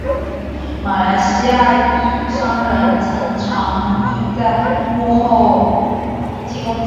马来西亚商人曾长义在幕后提供资金。